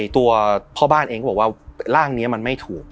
ตัวพ่อบ้านเองก็บอกว่าร่างนี้มันไม่ถูก